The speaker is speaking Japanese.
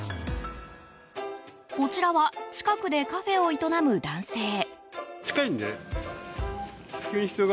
こちらは近くでカフェを営む男性。